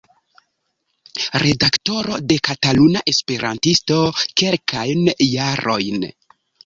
Redaktoro de Kataluna Esperantisto kelkajn jarojn.